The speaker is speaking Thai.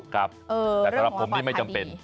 ครับแต่สำหรับผมนี่ไม่จำเป็น